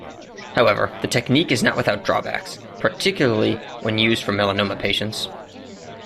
However, the technique is not without drawbacks, particularly when used for melanoma patients.